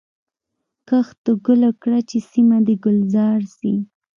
کښت د ګلو کړه چي سیمه دي ګلزار سي